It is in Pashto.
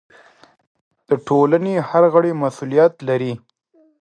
د ټولنې هر غړی مسؤلیت لري.